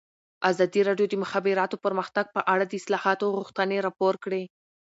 ازادي راډیو د د مخابراتو پرمختګ په اړه د اصلاحاتو غوښتنې راپور کړې.